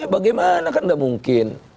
bagaimana kan tidak mungkin